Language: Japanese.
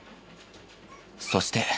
そして。